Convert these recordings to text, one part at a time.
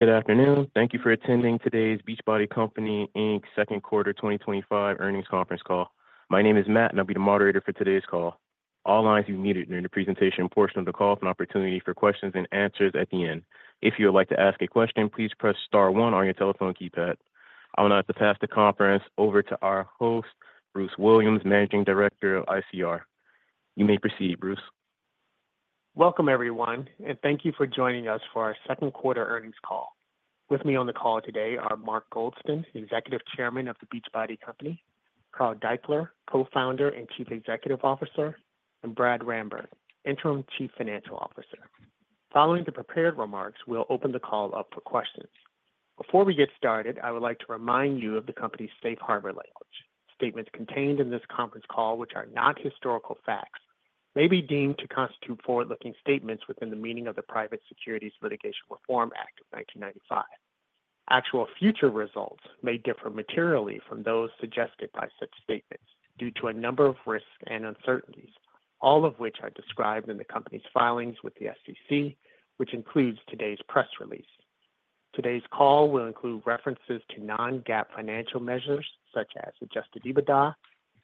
Good afternoon. Thank you for attending today's Beachbody Company, Inc. Second Quarter 2025 Earnings Conference Call. My name is Matt, and I'll be the moderator for today's call. All lines will be muted during the presentation portion of the call for an opportunity for questions and answers at the end. If you would like to ask a question, please press star one on your telephone keypad. I will now pass the conference over to our host, Bruce Williams, Managing Director of ICR. You may proceed, Bruce. Welcome, everyone, and thank you for joining us for our second quarter earnings call. With me on the call today are Mark Goldston, Executive Chairman of The Beachbody Company, Carl Daikeler, Co-Founder and Chief Executive Officer, and Brad Ramberg, Interim Chief Financial Officer. Following the prepared remarks, we'll open the call up for questions. Before we get started, I would like to remind you of the company's safe harbor language. Statements contained in this conference call, which are not historical facts, may be deemed to constitute forward-looking statements within the meaning of the Private Securities Litigation Reform Act of 1995. Actual future results may differ materially from those suggested by such statements due to a number of risks and uncertainties, all of which are described in the company's filings with the SEC, which includes today's press release. Today's call will include references to non-GAAP financial measures such as adjusted EBITDA and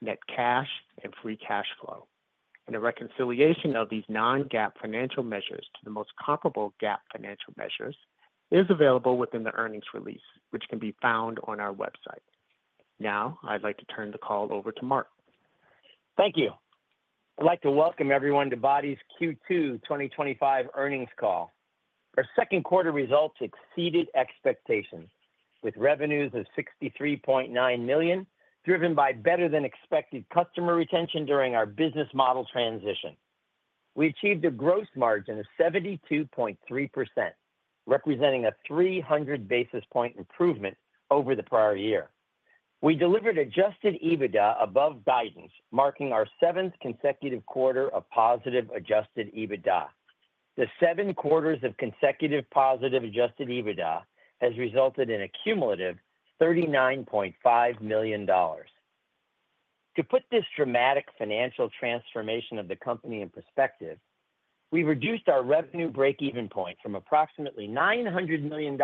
net cash and free cash flow. A reconciliation of these non-GAAP financial measures to the most comparable GAAP financial measures is available within the earnings release, which can be found on our website. Now, I'd like to turn the call over to Mark. Thank you. I'd like to welcome everyone to BODi's Q2 2025 earnings call. Our second quarter results exceeded expectations with revenues of $63.9 million, driven by better than expected customer retention during our business model transition. We achieved a gross margin of 72.3%, representing a 300 basis point improvement over the prior year. We delivered adjusted EBITDA above guidance, marking our seventh consecutive quarter of positive adjusted EBITDA. The seven quarters of consecutive positive adjusted EBITDA has resulted in a cumulative $39.5 million. To put this dramatic financial transformation of the company in perspective, we reduced our revenue breakeven point from approximately $900 million in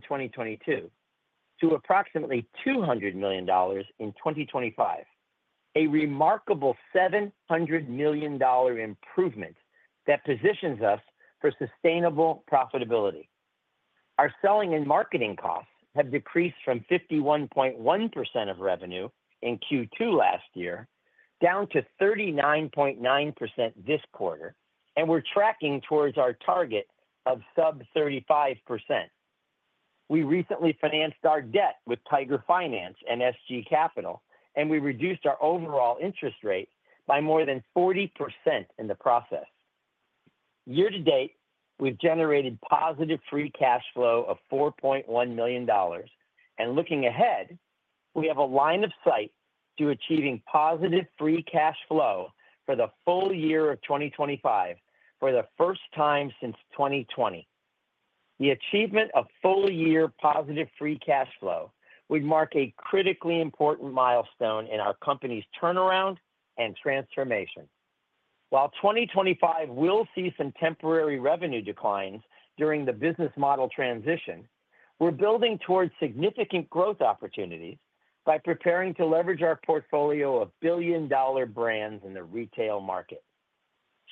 2022 to approximately $200 million in 2025, a remarkable $700 million improvement that positions us for sustainable profitability. Our selling and marketing costs have decreased from 51.1% of revenue in Q2 last year down to 39.9% this quarter, and we're tracking towards our target of sub-35%. We recently financed our debt with Tiger Finance and SG Capital, and we reduced our overall interest rate by more than 40% in the process. Year to date, we've generated positive free cash flow of $4.1 million, and looking ahead, we have a line of sight to achieving positive free cash flow for the full year of 2025 for the first time since 2020. The achievement of full-year positive free cash flow would mark a critically important milestone in our company's turnaround and transformation. While 2025 will see some temporary revenue declines during the business model transition, we're building towards significant growth opportunities by preparing to leverage our portfolio of billion-dollar brands in the retail market.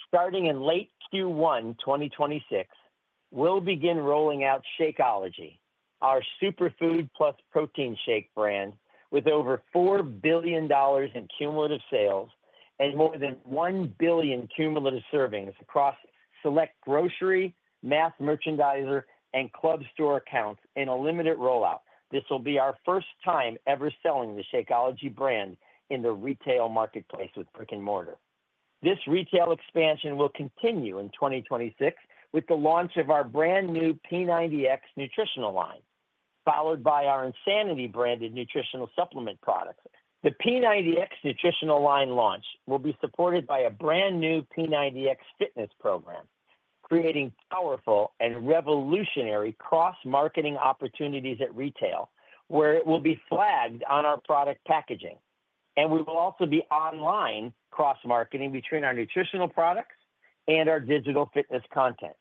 Starting in late Q1 2026, we'll begin rolling out Shakeology, our superfood plus protein shake brand, with over $4 billion in cumulative sales and more than one billion cumulative servings across select grocery, mass merchandiser, and club store accounts in a limited rollout. This will be our first time ever selling the Shakeology brand in the retail marketplace with brick and mortar. This retail expansion will continue in 2026 with the launch of our brand new P90X nutritional line, followed by our INSANITY-branded nutritional supplement products. The P90X nutritional line launch will be supported by a brand new P90X fitness program, creating powerful and revolutionary cross-marketing opportunities at retail, where it will be flagged on our product packaging, and we will also be online cross-marketing between our nutritional products and our digital fitness content.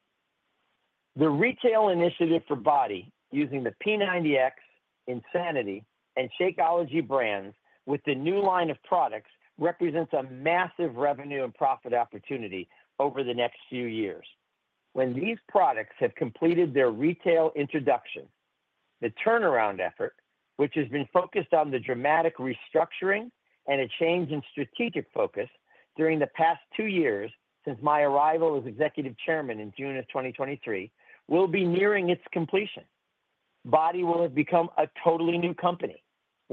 The retail initiative for BODi using the P90X, INSANITY, and Shakeology brands with the new line of products represents a massive revenue and profit opportunity over the next few years. When these products have completed their retail introduction, the turnaround effort, which has been focused on the dramatic restructuring and a change in strategic focus during the past two years since my arrival as Executive Chairman in June of 2023, will be nearing its completion. BODi will have become a totally new company,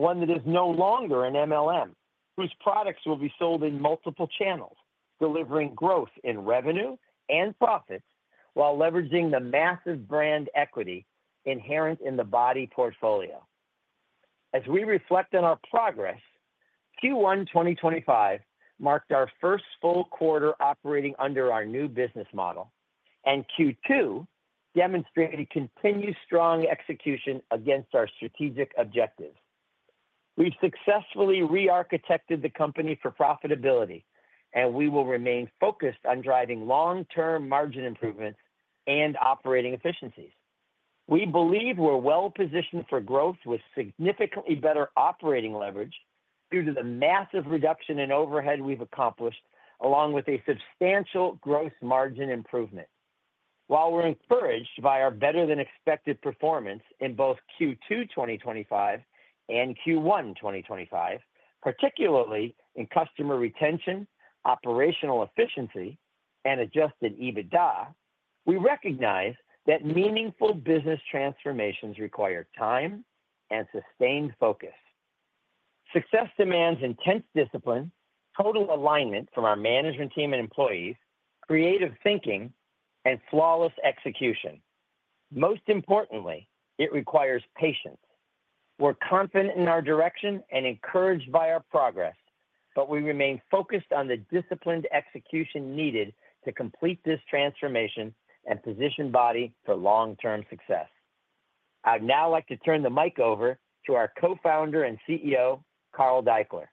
one that is no longer an MLM, whose products will be sold in multiple channels, delivering growth in revenue and profits while leveraging the massive brand equity inherent in the BODi portfolio. As we reflect on our progress, Q1 2025 marked our first full quarter operating under our new business model, and Q2 demonstrated continued strong execution against our strategic objectives. We've successfully re-architected the company for profitability, and we will remain focused on driving long-term margin improvements and operating efficiencies. We believe we're well positioned for growth with significantly better operating leverage due to the massive reduction in overhead we've accomplished, along with a substantial gross margin improvement. While we're encouraged by our better-than-expected performance in both Q2 2025 and Q1 2025, particularly in customer retention, operational efficiency, and adjusted EBITDA, we recognize that meaningful business transformations require time and sustained focus. Success demands intense discipline, total alignment from our management team and employees, creative thinking, and flawless execution. Most importantly, it requires patience. We're confident in our direction and encouraged by our progress, but we remain focused on the disciplined execution needed to complete this transformation and position BODi for long-term success. I'd now like to turn the mic over to our Co-Founder and CEO, Carl Daikeler.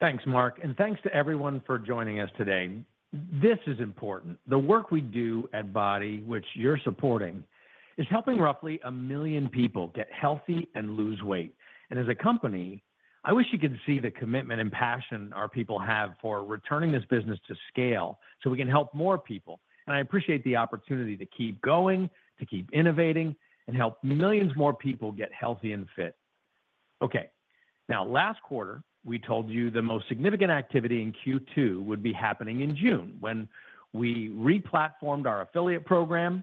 Thanks, Mark, and thanks to everyone for joining us today. This is important. The work we do at BODi, which you're supporting, is helping roughly a million people get healthy and lose weight. As a company, I wish you could see the commitment and passion our people have for returning this business to scale so we can help more people. I appreciate the opportunity to keep going, to keep innovating, and help millions more people get healthy and fit. Last quarter, we told you the most significant activity in Q2 would be happening in June when we re-platformed our affiliate program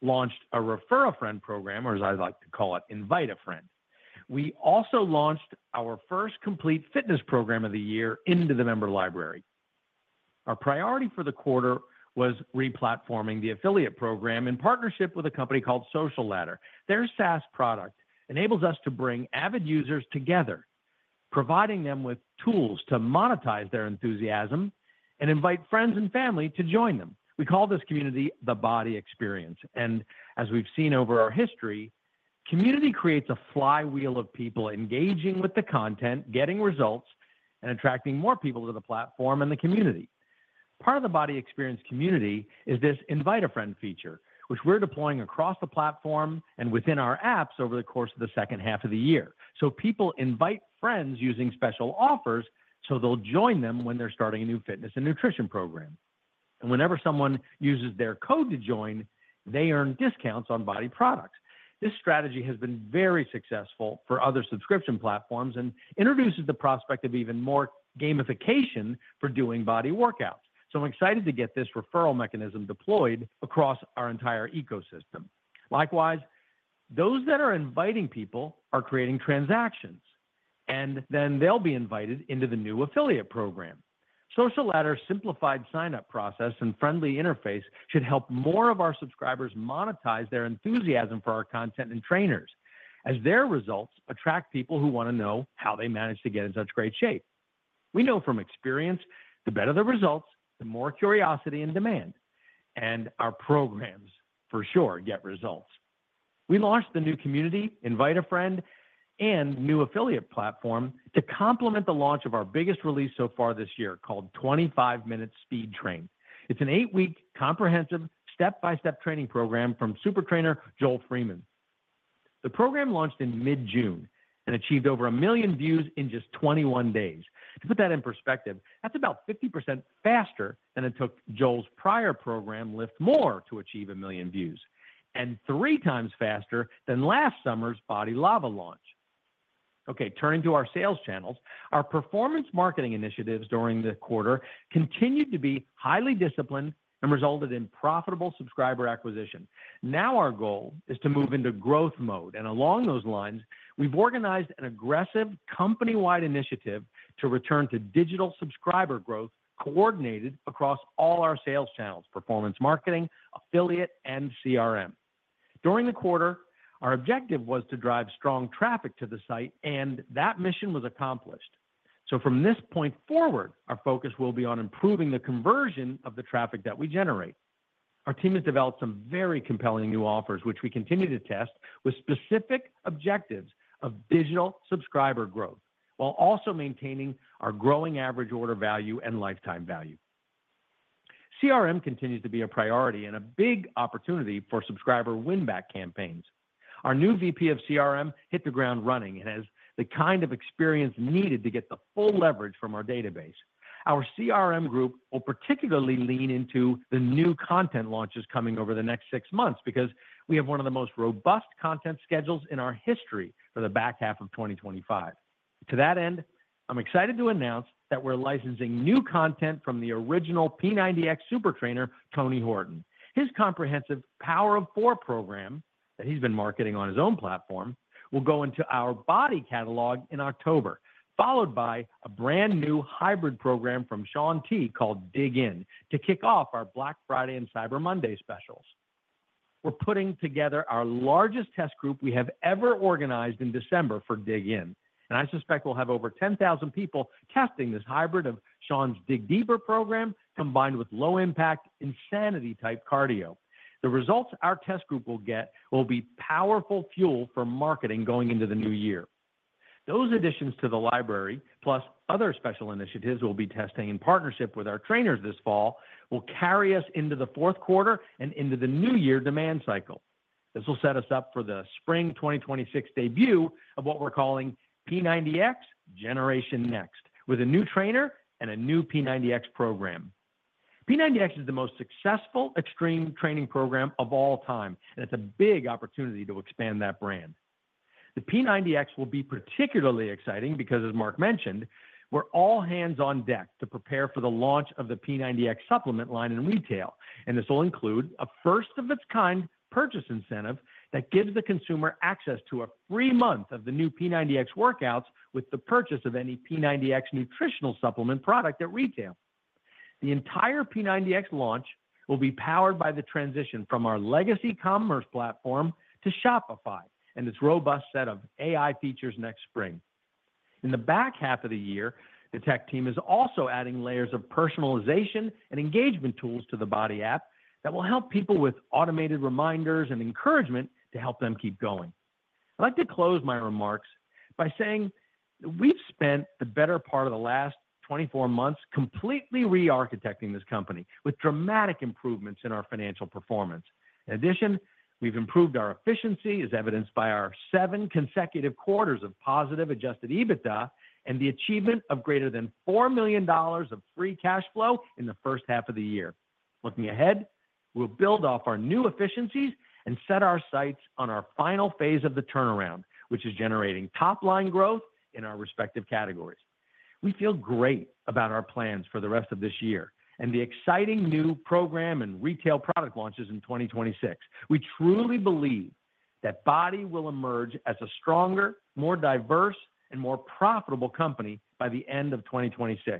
and launched a Refer-a-Friend Program, or as I like to call it, Invite a Friend. We also launched our first complete fitness program of the year into the member library. Our priority for the quarter was re-platforming the affiliate program in partnership with a company called SocialLadder. Their SaaS product enables us to bring avid users together, providing them with tools to monetize their enthusiasm and invite friends and family to join them. We call this community the BODi Experience. As we've seen over our history, community creates a flywheel of people engaging with the content, getting results, and attracting more people to the platform and the community. Part of the BODi Experience community is this invite a friend feature, which we're deploying across the platform and within our apps over the course of the second half of the year. People invite friends using special offers so they'll join them when they're starting a new fitness and nutrition program. Whenever someone uses their code to join, they earn discounts on BODi products. This strategy has been very successful for other subscription platforms and introduces the prospect of even more gamification for doing BODi workouts. I'm excited to get this referral mechanism deployed across our entire ecosystem. Likewise, those that are inviting people are creating transactions, and then they'll be invited into the new affiliate program. SocialLadder's simplified sign-up process and friendly interface should help more of our subscribers monetize their enthusiasm for our content and trainers, as their results attract people who want to know how they managed to get in such great shape. We know from experience, the better the results, the more curiosity and demand. Our programs for sure get results. We launched the new community, Invite a Friend, and new affiliate platform to complement the launch of our biggest release so far this year, called 25 Minute Speed Train. It's an eight-week comprehensive step-by-step training program from Super Trainer Joel Freeman. The program launched in mid-June and achieved over a million views in just 21 days. To put that in perspective, that's about 50% faster than it took Joel's prior program, LIIFT MORE, to achieve a million views and 3x faster than last summer's BODi LAVA launch. Turning to our sales channels, our performance marketing initiatives during the quarter continued to be highly disciplined and resulted in profitable subscriber acquisition. Now our goal is to move into growth mode, and along those lines, we've organized an aggressive company-wide initiative to return to digital subscriber growth coordinated across all our sales channels: performance marketing, affiliate, and CRM. During the quarter, our objective was to drive strong traffic to the site, and that mission was accomplished. From this point forward, our focus will be on improving the conversion of the traffic that we generate. Our team has developed some very compelling new offers, which we continue to test with specific objectives of digital subscriber growth, while also maintaining our growing average order value and lifetime value. CRM continues to be a priority and a big opportunity for subscriber win-back campaigns. Our new VP of CRM hit the ground running and has the kind of experience needed to get the full leverage from our database. Our CRM group will particularly lean into the new content launches coming over the next six months because we have one of the most robust content schedules in our history for the back half of 2025. To that end, I'm excited to announce that we're licensing new content from the original P90X Super Trainer, Tony Horton. His comprehensive Power of 4 program that he's been marketing on his own platform will go into our BODi catalog in October, followed by a brand new hybrid program from Shaun T called Dig In to kick off our Black Friday and Cyber Monday specials. We're putting together our largest test group we have ever organized in December for Dig In, and I suspect we'll have over 10,000 people testing this hybrid of Shaun's DIG DEEPER program combined with low-impact, INSANITY-type cardio. The results our test group will get will be powerful fuel for marketing going into the new year. Those additions to the library, plus other special initiatives we'll be testing in partnership with our trainers this fall, will carry us into the fourth quarter and into the new year demand cycle. This will set us up for the spring 2026 debut of what we're calling P90X Generation Next, with a new trainer and a new P90X program. P90X is the most successful extreme training program of all time, and it's a big opportunity to expand that brand. The P90X will be particularly exciting because, as Mark mentioned, we're all hands on deck to prepare for the launch of the P90X supplement line in retail, and this will include a first-of-its-kind purchase incentive that gives the consumer access to a free month of the new P90X workouts with the purchase of any P90X nutritional supplement product at retail. The entire P90X launch will be powered by the transition from our legacy commerce platform to Shopify and its robust set of AI features next spring. In the back half of the year, the tech team is also adding layers of personalization and engagement tools to the BODi app that will help people with automated reminders and encouragement to help them keep going. I'd like to close my remarks by saying that we've spent the better part of the last 24 months completely re-architecting this company with dramatic improvements in our financial performance. In addition, we've improved our efficiency, as evidenced by our seven consecutive quarters of positive adjusted EBITDA and the achievement of greater than $4 million of free cash flow in the first half of the year. Looking ahead, we'll build off our new efficiencies and set our sights on our final phase of the turnaround, which is generating top-line growth in our respective categories. We feel great about our plans for the rest of this year and the exciting new program and retail product launches in 2026. We truly believe that BODi will emerge as a stronger, more diverse, and more profitable company by the end of 2026.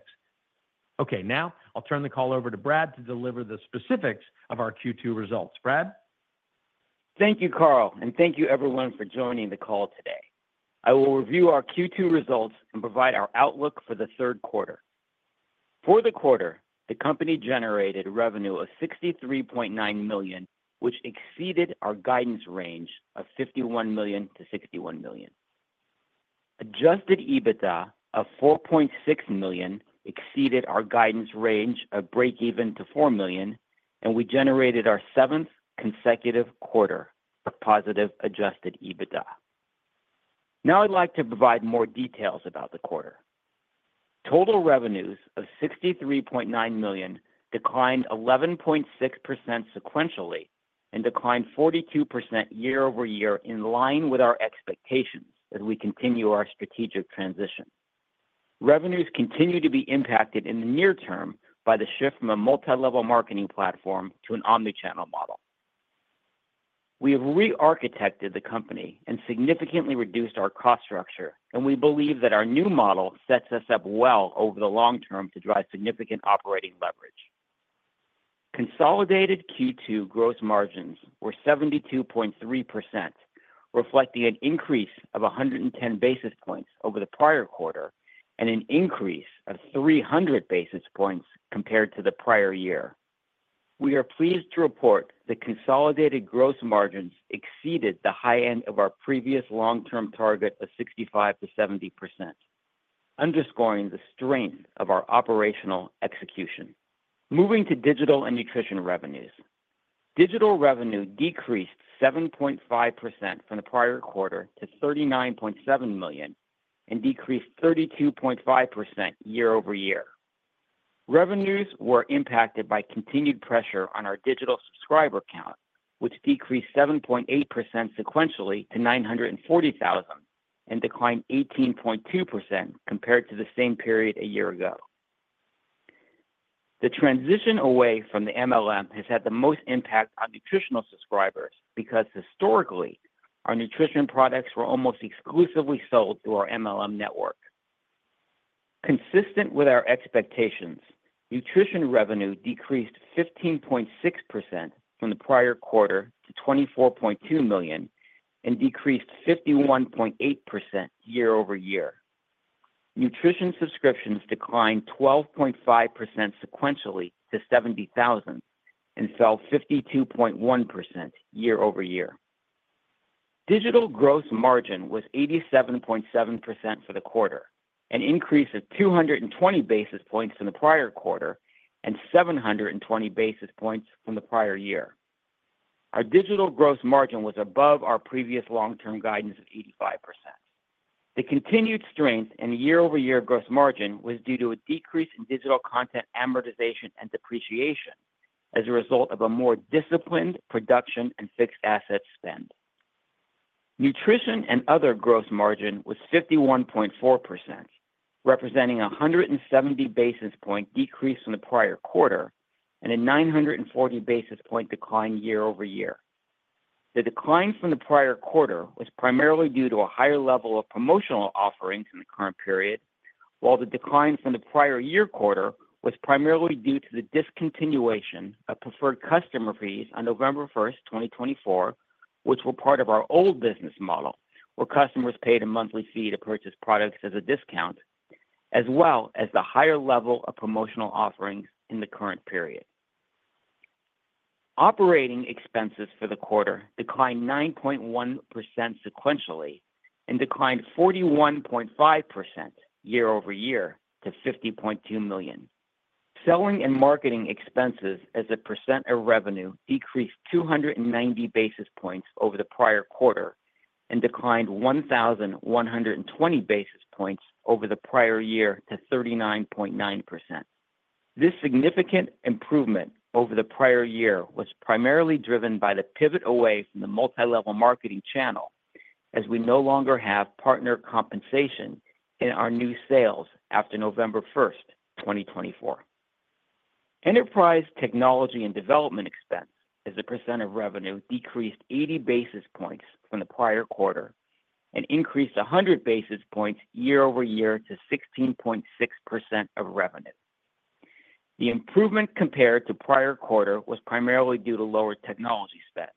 Okay, now I'll turn the call over to Brad to deliver the specifics of our Q2 results. Brad. Thank you, Carl, and thank you everyone for joining the call today. I will review our Q2 results and provide our outlook for the third quarter. For the quarter, the company generated revenue of $63.9 million, which exceeded our guidance range of $51 million to $61 million. Adjusted EBITDA of $4.6 million exceeded our guidance range of breakeven to $4 million, and we generated our seventh consecutive quarter of positive adjusted EBITDA. Now I'd like to provide more details about the quarter. Total revenues of $63.9 million declined 11.6% sequentially and declined 42% year-over-year in line with our expectations as we continue our strategic transition. Revenues continue to be impacted in the near term by the shift from a multilevel marketing platform to an omnichannel model. We have re-architected the company and significantly reduced our cost structure, and we believe that our new model sets us up well over the long term to drive significant operating leverage. Consolidated Q2 gross margins were 72.3%, reflecting an increase of 110 basis points over the prior quarter and an increase of 300 basis points compared to the prior year. We are pleased to report that consolidated gross margins exceeded the high end of our previous long-term target of 65%-70%, underscoring the strength of our operational execution. Moving to digital and nutrition revenues, digital revenue decreased 7.5% from the prior quarter to $39.7 million and decreased 32.5% year-over-year. Revenues were impacted by continued pressure on our digital subscriber count, which decreased 7.8% sequentially to 940,000 and declined 18.2% compared to the same period a year ago. The transition away from the MLM has had the most impact on nutritional subscribers because historically, our nutrition products were almost exclusively sold through our MLM network. Consistent with our expectations, nutrition revenue decreased 15.6% from the prior quarter to $24.2 million and decreased 51.8% year-over-year. Nutrition subscriptions declined 12.5% sequentially to 70,000 and fell 52.1% year-over-year. Digital gross margin was 87.7% for the quarter, an increase of 220 basis points from the prior quarter and 720 basis points from the prior year. Our digital gross margin was above our previous long-term guidance of 85%. The continued strength in year-over-year gross margin was due to a decrease in digital content amortization and depreciation as a result of a more disciplined production and fixed asset spend. Nutrition and other gross margin was 51.4%, representing a 170 basis point decrease from the prior quarter and a 940 basis point decline year-over-year. The decline from the prior quarter was primarily due to a higher level of promotional offerings in the current period, while the decline from the prior year quarter was primarily due to the discontinuation of preferred customer fees on November 1st, 2024, which were part of our old business model, where customers paid a monthly fee to purchase products at a discount, as well as the higher level of promotional offerings in the current period. Operating expenses for the quarter declined 9.1% sequentially and declined 41.5% year-over-year to $50.2 million. Selling and marketing expenses as a percent of revenue decreased 290 basis points over the prior quarter and declined 1,120 basis points over the prior year to 39.9%. This significant improvement over the prior year was primarily driven by the pivot away from the multilevel marketing channel, as we no longer have partner compensation in our new sales after November 1st, 2024. Enterprise technology and development expense, as a percent of revenue, decreased 80 basis points from the prior quarter and increased 100 basis points year-over-year to 16.6% of revenue. The improvement compared to the prior quarter was primarily due to lower technology spend.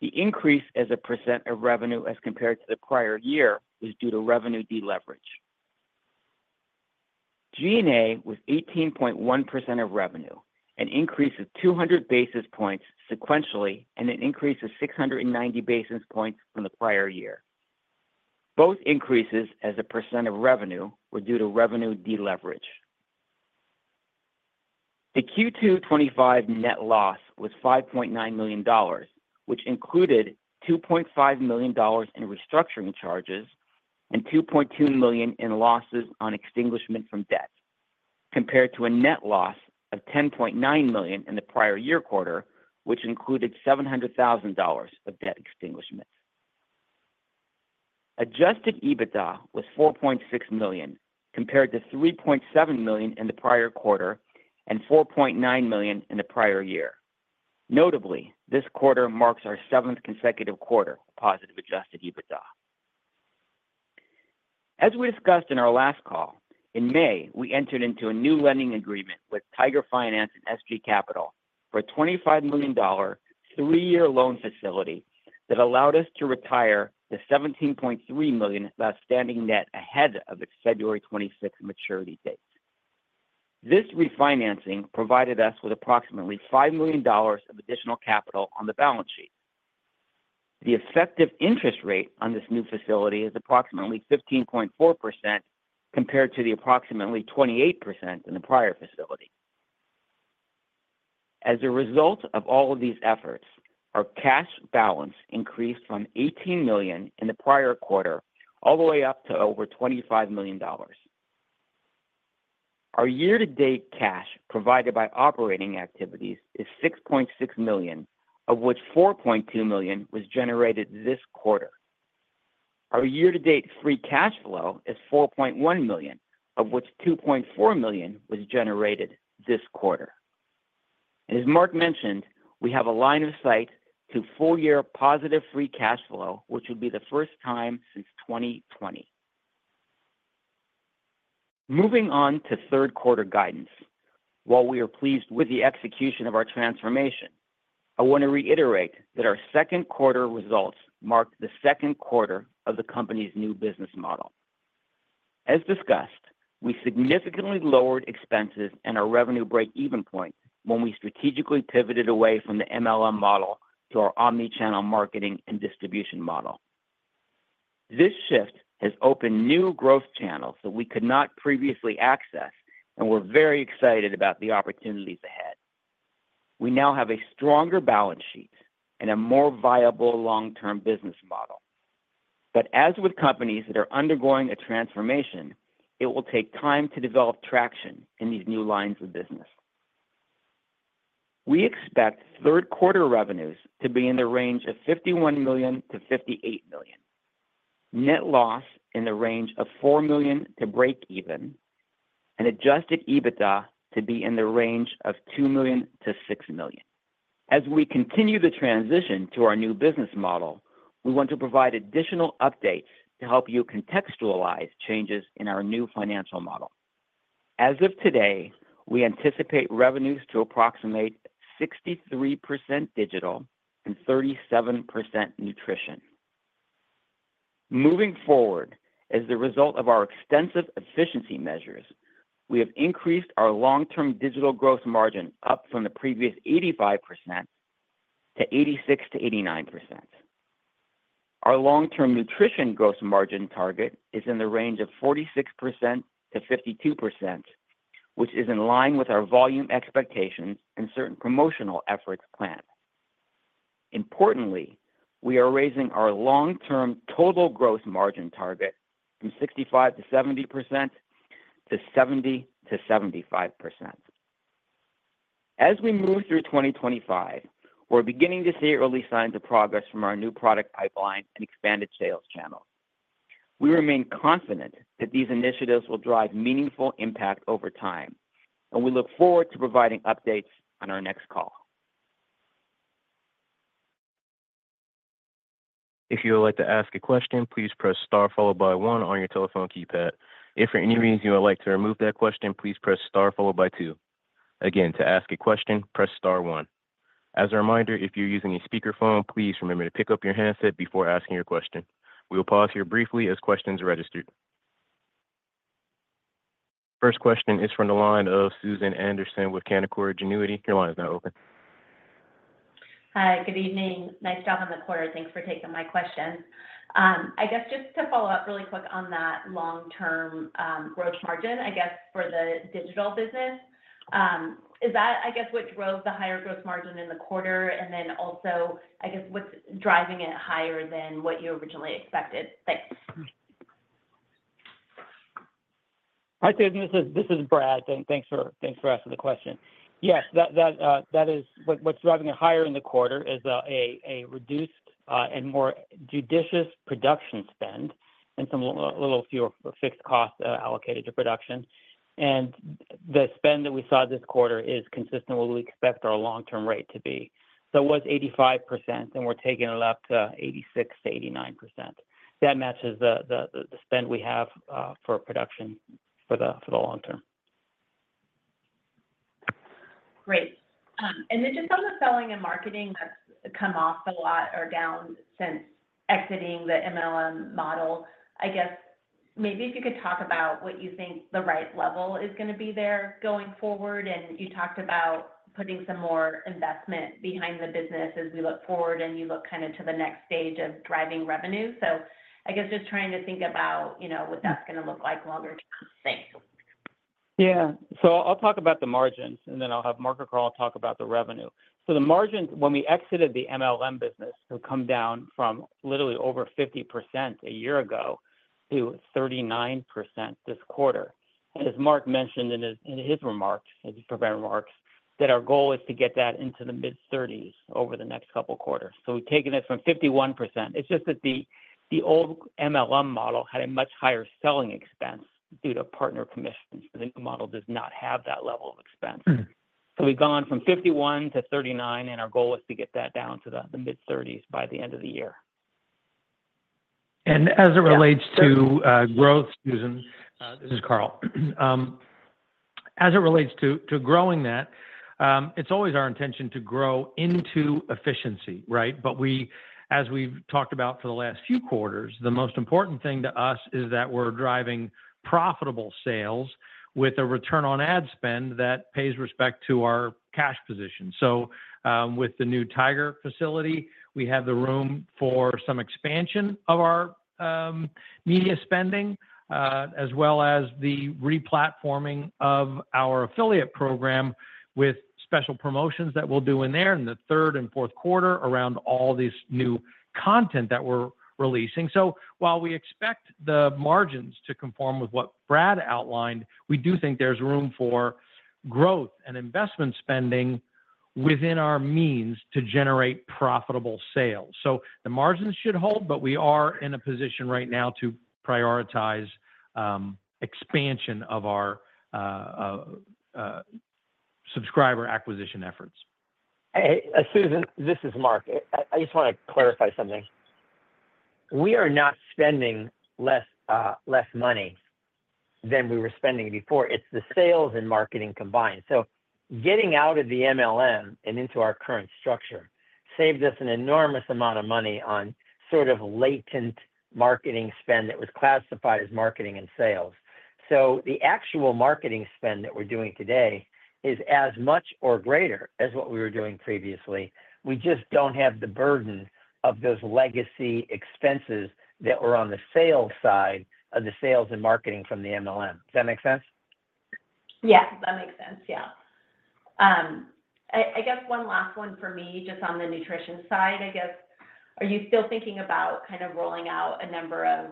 The increase as a percent of revenue as compared to the prior year was due to revenue deleverage. G&A was 18.1% of revenue, an increase of 200 basis points sequentially, and an increase of 690 basis points from the prior year. Both increases as a percent of revenue were due to revenue deleverage. The Q2 2025 net loss was $5.9 million, which included $2.5 million in restructuring charges and $2.2 million in losses on extinguishment from debt, compared to a net loss of $10.9 million in the prior year quarter, which included $700,000 of debt extinguishment. Adjusted EBITDA was $4.6 million, compared to $3.7 million in the prior quarter and $4.9 million in the prior year. Notably, this quarter marks our seventh consecutive quarter of positive adjusted EBITDA. As we discussed in our last call, in May, we entered into a new lending agreement with Tiger Finance and SG Capital for a $25 million three-year loan facility that allowed us to retire the $17.3 million outstanding net ahead of its February 2026 maturity date. This refinancing provided us with approximately $5 million of additional capital on the balance sheet. The effective interest rate on this new facility is approximately 15.4% compared to the approximately 28% in the prior facility. As a result of all of these efforts, our cash balance increased from $18 million in the prior quarter all the way up to over $25 million. Our year-to-date cash provided by operating activities is $6.6 million, of which $4.2 million was generated this quarter. Our year-to-date free cash flow is $4.1 million, of which $2.4 million was generated this quarter. As Mark mentioned, we have a line of sight to full-year positive free cash flow, which would be the first time since 2020. Moving on to third quarter guidance, while we are pleased with the execution of our transformation, I want to reiterate that our second quarter results marked the second quarter of the company's new business model. As discussed, we significantly lowered expenses and our revenue breakeven point when we strategically pivoted away from the MLM model to our omnichannel marketing and distribution model. This shift has opened new growth channels that we could not previously access and we're very excited about the opportunities ahead. We now have a stronger balance sheet and a more viable long-term business model. As with companies that are undergoing a transformation, it will take time to develop traction in these new lines of business. We expect third quarter revenues to be in the range of $51 million-$58 million, net loss in the range of $4 million to break even, and adjusted EBITDA to be in the range of $2 million-$6 million. As we continue the transition to our new business model, we want to provide additional updates to help you contextualize changes in our new financial model. As of today, we anticipate revenues to approximate 63% digital and 37% nutrition. Moving forward, as the result of our extensive efficiency measures, we have increased our long-term digital gross margin up from the previous 85% to 86%-89%. Our long-term nutrition gross margin target is in the range of 46%-52%, which is in line with our volume expectations and certain promotional efforts planned. Importantly, we are raising our long-term total gross margin target from 65%-70% to 70%-75%. As we move through 2025, we're beginning to see early signs of progress from our new product pipeline and expanded sales channel. We remain confident that these initiatives will drive meaningful impact over time, and we look forward to providing updates on our next call. If you would like to ask a question, please press star followed by one on your telephone keypad. If for any reason you would like to remove that question, please press star followed by two. Again, to ask a question, press star one. As a reminder, if you're using a speakerphone, please remember to pick up your handset before asking your question. We will pause here briefly as questions are registered. First question is from the line of Susan Anderson with Canaccord Genuity. Your line is now open. Hi, good evening. Nice to have on the quarter. Thanks for taking my question. Just to follow up really quick on that long-term gross margin, for the digital business, is that what drove the higher gross margin in the quarter? Also, what's driving it higher than what you originally expected? Hi, Susan. This is Brad, and thanks for asking the question. Yes, that is what's driving it higher in the quarter: a reduced and more judicious production spend and a little fewer fixed costs allocated to production. The spend that we saw this quarter is consistent with what we expect our long-term rate to be. It was 85%, and we're taking it up to 86%-89%. That matches the spend we have for production for the long term. Great. Just on the selling and marketing, come off a lot or down since exiting the MLM model. I guess maybe if you could talk about what you think the right level is going to be there going forward. You talked about putting some more investment behind the business as we look forward and you look kind of to the next stage of driving revenue. I guess just trying to think about what that's going to look like longer term. Yeah. I'll talk about the margins, and then I'll have Mark or Carl talk about the revenue. The margins, when we exited the MLM business, have come down from literally over 50% a year ago to 39% this quarter. As Mark mentioned in his prepared remarks, our goal is to get that into the mid-30% range over the next couple of quarters. We've taken it from 51%. It's just that the old MLM model had a much higher selling expense due to partner commissions. The new model does not have that level of expense. We've gone from 51% to 39%, and our goal is to get that down to the mid-30% range by the end of the year. As it relates to growth, Susan, this is Carl. As it relates to growing that, it's always our intention to grow into efficiency, right? As we've talked about for the last few quarters, the most important thing to us is that we're driving profitable sales with a return on ad spend that pays respect to our cash position. With the new Tiger Finance facility, we have the room for some expansion of our media spending, as well as the re-platforming of our affiliate program with special promotions that we'll do in there in the third and fourth quarter around all this new content that we're releasing. While we expect the margins to conform with what Brad outlined, we do think there's room for growth and investment spending within our means to generate profitable sales. The margins should hold, but we are in a position right now to prioritize expansion of our subscriber acquisition efforts. Hey, Susan, this is Mark. I just want to clarify something. We are not spending less money than we were spending before. It's the sales and marketing combined. Getting out of the MLM and into our current structure saved us an enormous amount of money on sort of latent marketing spend that was classified as marketing and sales. The actual marketing spend that we're doing today is as much or greater as what we were doing previously. We just don't have the burden of those legacy expenses that were on the sales side of the sales and marketing from the MLM. Does that make sense? Yeah, that makes sense. I guess one last one for me, just on the nutrition side. Are you still thinking about kind of rolling out a number of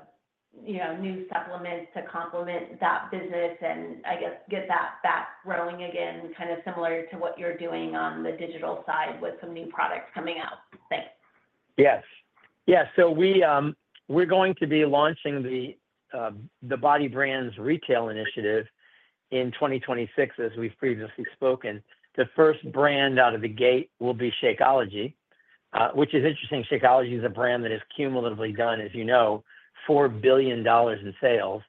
new supplements to complement that business and get that back rolling again, kind of similar to what you're doing on the digital side with some new products coming out? Yes. Yeah. We're going to be launching the BODi Brands Retail Initiative in 2026, as we've previously spoken. The first brand out of the gate will be Shakeology, which is interesting. Shakeology is a brand that has cumulatively done, as you know, $4 billion in sales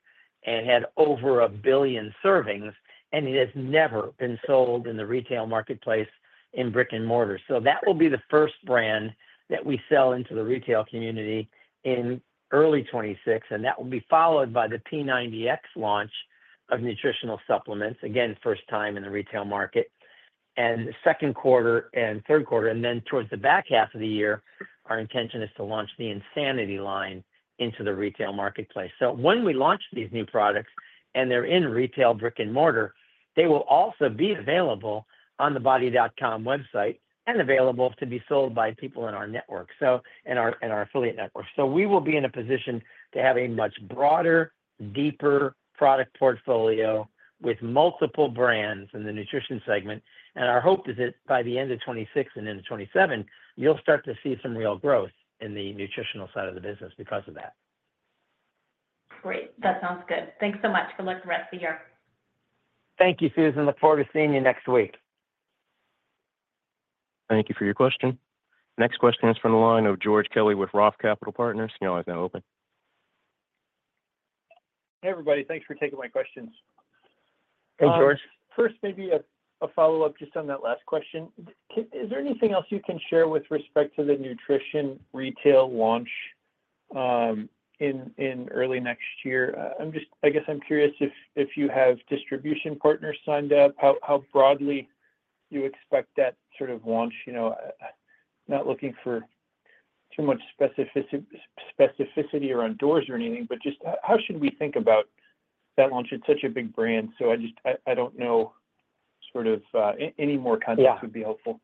and had over a billion servings, and it has never been sold in the retail marketplace in brick and mortar. That will be the first brand that we sell into the retail community in early 2026, and that will be followed by the P90X launch of nutritional supplements, again, first time in the retail market in the second quarter and third quarter. Towards the back half of the year, our intention is to launch the INSANITY line into the retail marketplace. When we launch these new products and they're in retail brick and mortar, they will also be available on the bodi.com website and available to be sold by people in our network, in our affiliate network. We will be in a position to have a much broader, deeper product portfolio with multiple brands in the nutrition segment. Our hope is that by the end of 2026 and into 2027, you'll start to see some real growth in the nutritional side of the business because of that. Great. That sounds good. Thanks so much. Good luck the rest of the year. Thank you, Susan. Look forward to seeing you next week. Thank you for your question. Next question is from the line of George Kelly with ROTH Capital Partners. He's now open. Hey, everybody. Thanks for taking my questions. Hey, George. First, maybe a follow-up just on that last question. Is there anything else you can share with respect to the nutrition retail launch in early next year? I'm just, I guess I'm curious if you have distribution partners signed up, how broadly you expect that sort of launch. You know, not looking for too much specificity around doors or anything, but just how should we think about that launch? It's such a big brand. I just, I don't know, any more context would be helpful.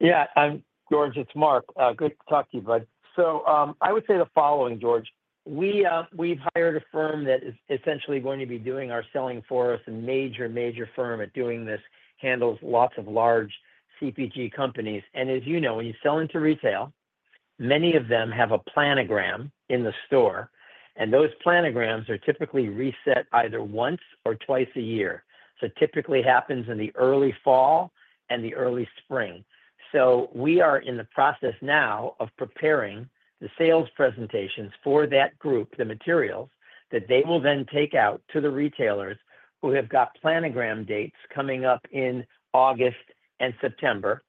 Yeah. I'm George. It's Mark. Good to talk to you, bud. I would say the following, George. We've hired a firm that is essentially going to be doing our selling for us. A major, major firm at doing this handles lots of large CPG companies. As you know, when you sell into retail, many of them have a planogram in the store, and those planograms are typically reset either once or twice a year. It typically happens in the early fall and the early spring. We are in the process now of preparing the sales presentations for that group, the materials that they will then take out to the retailers who have got planogram dates coming up in August and September.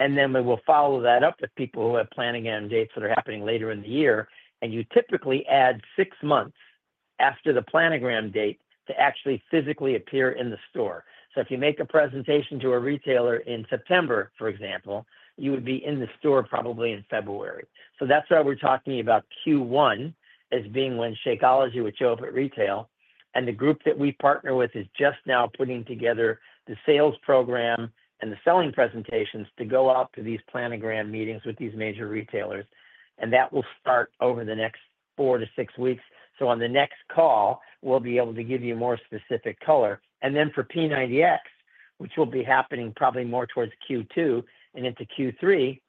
We will follow that up with people who have planogram dates that are happening later in the year. You typically add six months after the planogram date to actually physically appear in the store. If you make a presentation to a retailer in September, for example, you would be in the store probably in February. That's why we're talking about Q1 as being when Shakeology would show up at retail. The group that we partner with is just now putting together the sales program and the selling presentations to go up to these planogram meetings with these major retailers. That will start over the next four to six weeks. On the next call, we'll be able to give you more specific color. For P90X, which will be happening probably more towards Q2 and into Q3,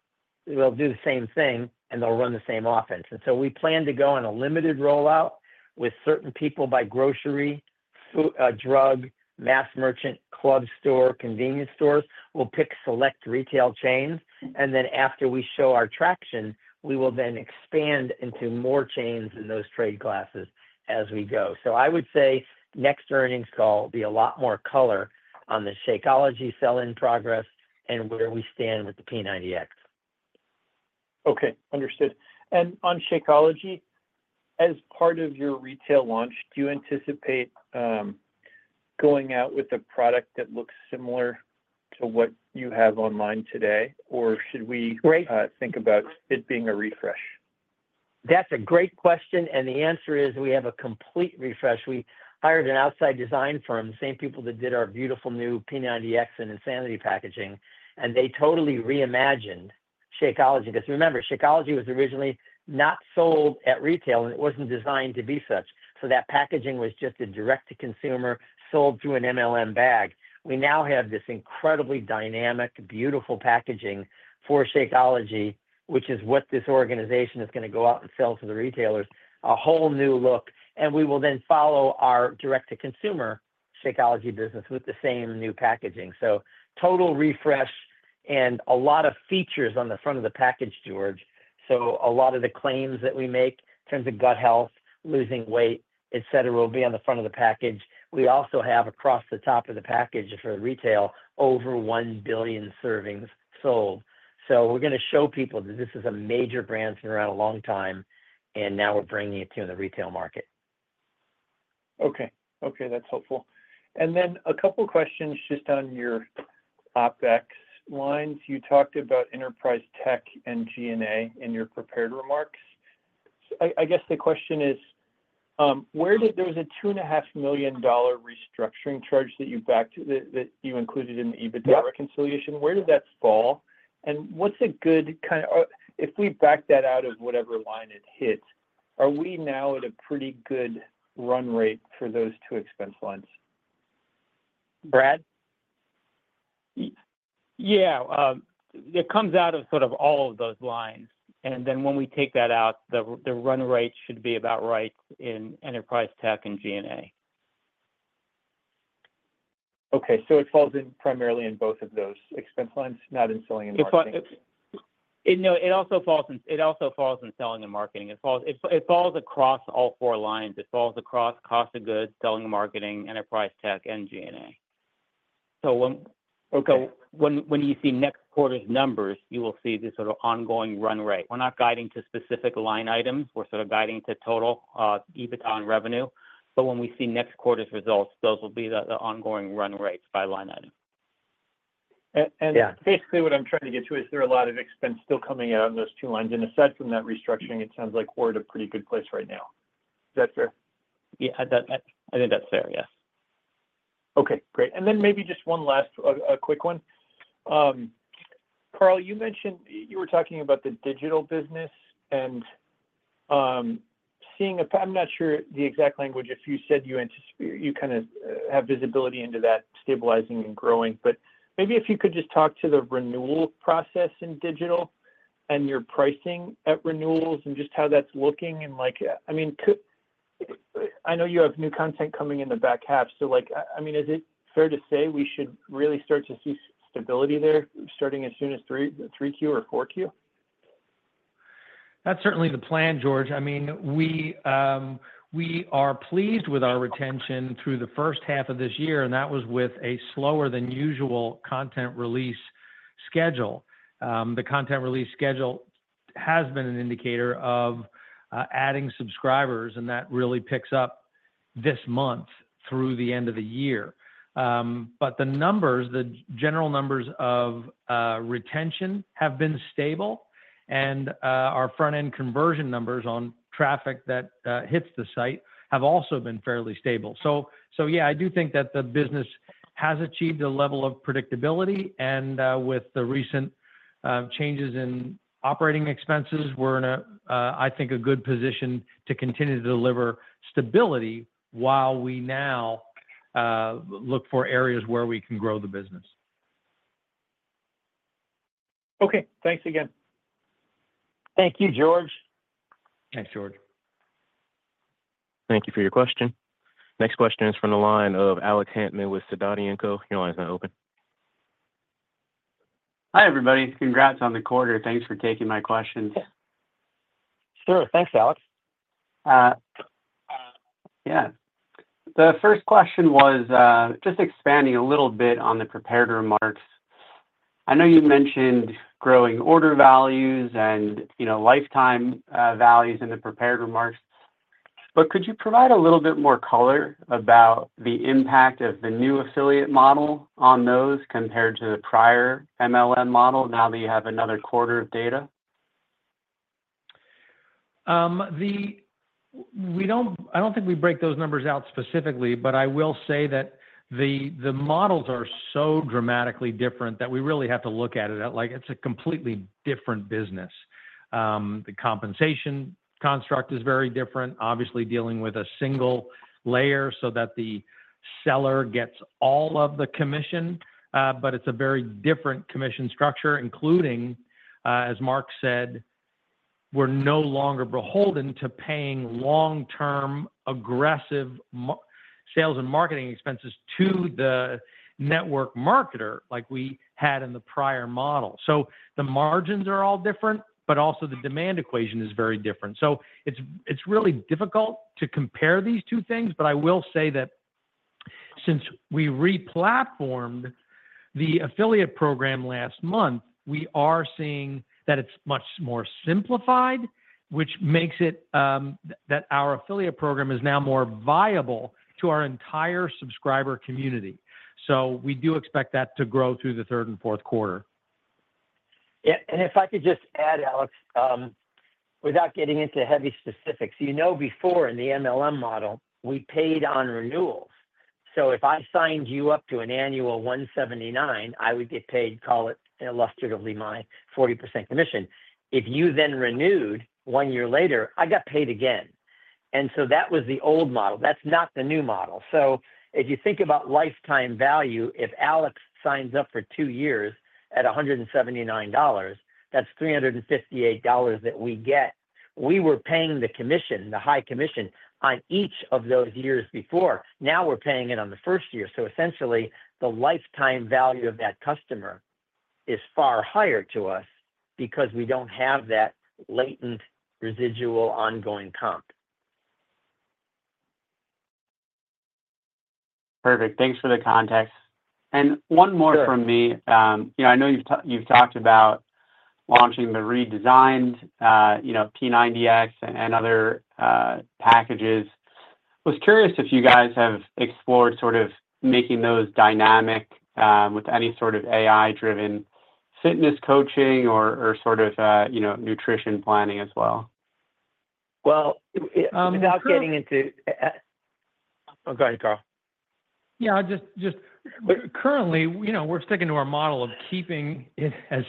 we'll do the same thing, and they'll run the same offense. We plan to go on a limited rollout with certain people by grocery, drug, mass merchant, club store, convenience stores. We'll pick select retail chains. After we show our traction, we will then expand into more chains and those trade classes as we go. I would say next earnings call will be a lot more color on the Shakeology sell-in progress and where we stand with the P90X. Okay. Understood. On Shakeology, as part of your retail launch, do you anticipate going out with a product that looks similar to what you have online today, or should we think about it being a refresh? That's a great question. The answer is we have a complete refresh. We hired an outside design firm, the same people that did our beautiful new P90X and INSANITY packaging, and they totally reimagined Shakeology. Remember, Shakeology was originally not sold at retail, and it wasn't designed to be such. That packaging was just a direct-to-consumer sold through an MLM bag. We now have this incredibly dynamic, beautiful packaging for Shakeology, which is what this organization is going to go out and sell to the retailers, a whole new look. We will then follow our direct-to-consumer Shakeology business with the same new packaging. Total refresh and a lot of features on the front of the package, George. A lot of the claims that we make in terms of gut health, losing weight, etc., will be on the front of the package. We also have across the top of the package for retail over one billion servings sold. We're going to show people that this is a major brand that's been around a long time, and now we're bringing it to the retail market. Okay. That's helpful. A couple of questions just on your OpEx lines. You talked about enterprise tech and G&A in your prepared remarks. I guess the question is, where did there was a $2.5 million restructuring charge that you included in the EBITDA reconciliation? Where did that fall? What's a good kind of if we back that out of whatever line it hits, are we now at a pretty good run rate for those two expense lines? Brad? Yeah. It comes out of sort of all of those lines. When we take that out, the run rate should be about right in enterprise tech and G&A. Okay. It falls in primarily in both of those expense lines, not in selling and marketing? No, it also falls in selling and marketing. It falls across all four lines. It falls across cost of goods, selling and marketing, enterprise tech, and G&A. When you see next quarter's numbers, you will see this ongoing run rate. We're not guiding to specific line items. We're guiding to total EBITDA on revenue. When we see next quarter's results, those will be the ongoing run rates by line item. Basically, what I'm trying to get to is there are a lot of expenses still coming out on those two lines. Aside from that restructuring, it sounds like we're at a pretty good place right now. Is that fair? Yeah, I think that's fair, yes. Okay. Great. Maybe just one last, a quick one. Carl, you mentioned you were talking about the digital business and seeing a, I'm not sure the exact language if you said you kind of have visibility into that stabilizing and growing, but maybe if you could just talk to the renewal process in digital and your pricing at renewals and just how that's looking. I mean, I know you have new content coming in the back half. Is it fair to say we should really start to see stability there starting as soon as 3Q or 4Q? That's certainly the plan, George. I mean, we are pleased with our retention through the first half of this year, and that was with a slower than usual content release schedule. The content release schedule has been an indicator of adding subscribers, and that really picks up this month through the end of the year. The general numbers of retention have been stable, and our front-end conversion numbers on traffic that hits the site have also been fairly stable. I do think that the business has achieved a level of predictability, and with the recent changes in operating expenses, we're in, I think, a good position to continue to deliver stability while we now look for areas where we can grow the business. Okay, thanks again. Thank you, George. Thanks, George. Thank you for your question. Next question is from the line of Alex Hantman with Sidoti & Co. Your line is now open. Hi, everybody. Congrats on the quarter. Thanks for taking my questions. Sure. Thanks, Alex. Yeah. The first question was just expanding a little bit on the prepared remarks. I know you mentioned growing order values and, you know, lifetime values in the prepared remarks, but could you provide a little bit more color about the impact of the new affiliate model on those compared to the prior MLM model now that you have another quarter of data? I don't think we break those numbers out specifically, but I will say that the models are so dramatically different that we really have to look at it like it's a completely different business. The compensation construct is very different, obviously dealing with a single layer so that the seller gets all of the commission, but it's a very different commission structure, including, as Mark said, we're no longer beholden to paying long-term aggressive sales and marketing expenses to the network marketer like we had in the prior model. The margins are all different, but also the demand equation is very different. It's really difficult to compare these two things, but I will say that since we re-platformed the affiliate program last month, we are seeing that it's much more simplified, which makes it that our affiliate program is now more viable to our entire subscriber community. We do expect that to grow through the third and fourth quarter. If I could just add, Alex, without getting into heavy specifics, you know before in the MLM model, we paid on renewals. If I signed you up to an annual $179, I would get paid, call it illustratively my 40% commission. If you then renewed one year later, I got paid again. That was the old model. That is not the new model. If you think about lifetime value, if Alex signs up for two years at $179, that is $358 that we get. We were paying the commission, the high commission on each of those years before. Now we are paying it on the first year. Essentially, the lifetime value of that customer is far higher to us because we do not have that latent residual ongoing comp. Perfect. Thanks for the context. One more from me. I know you've talked about launching the redesigned P90X and other packages. I was curious if you guys have explored making those dynamic with any sort of AI-driven fitness coaching or nutrition planning as well. Without getting into. Oh, go ahead, Carl. Yeah, just currently, you know, we're sticking to our model of keeping it as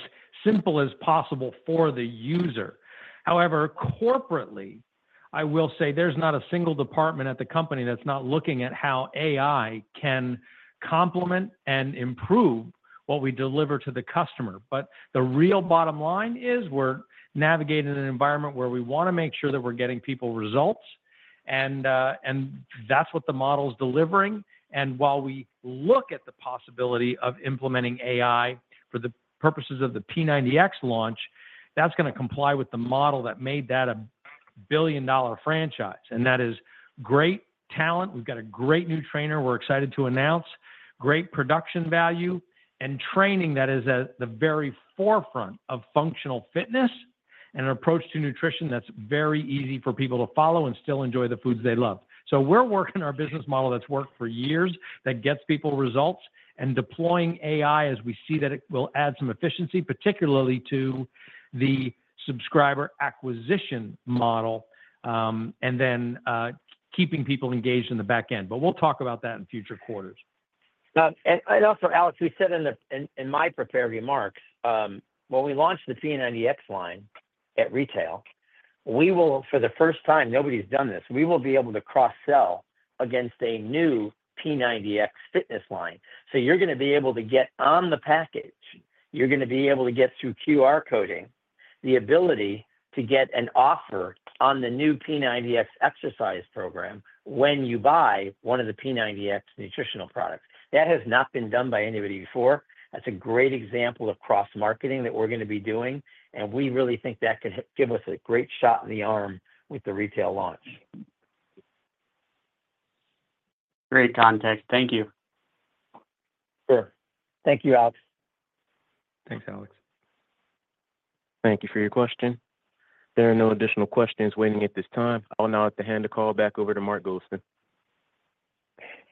simple as possible for the user. However, corporately, I will say there's not a single department at the company that's not looking at how AI can complement and improve what we deliver to the customer. The real bottom line is we're navigating an environment where we want to make sure that we're getting people results, and that's what the model's delivering. While we look at the possibility of implementing AI for the purposes of the P90X launch, that's going to comply with the model that made that a billion-dollar franchise. That is great talent. We've got a great new trainer we're excited to announce, great production value, and training that is at the very forefront of functional fitness and an approach to nutrition that's very easy for people to follow and still enjoy the foods they love. We're working on our business model that's worked for years, that gets people results, and deploying AI as we see that it will add some efficiency, particularly to the subscriber acquisition model, and then keeping people engaged in the back end. We'll talk about that in future quarters. As I said in my prepared remarks, when we launch the P90X line at retail, we will, for the first time, nobody's done this, be able to cross-sell against a new P90X fitness line. You're going to be able to get on the package, and you're going to be able to get through QR coding the ability to get an offer on the new P90X exercise program when you buy one of the P90X nutritional products. That has not been done by anybody before. That's a great example of cross-marketing that we're going to be doing, and we really think that can give us a great shot in the arm with the retail launch. Great context. Thank you. Sure. Thank you, Alex. Thanks, Alex. Thank you for your question. There are no additional questions waiting at this time. I'll now hand the call back over to Mark Goldston.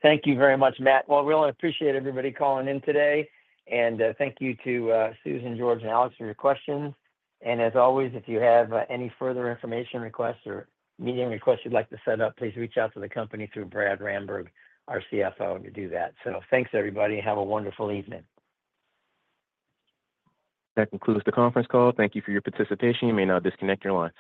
Thank you very much, Matt. We really appreciate everybody calling in today. Thank you to Susan, George, and Alex for your questions. As always, if you have any further information requests or meeting requests you'd like to set up, please reach out to the company through Brad Ramberg, our CFO, to do that. Thanks, everybody, and have a wonderful evening. That concludes the conference call. Thank you for your participation. You may now disconnect your line.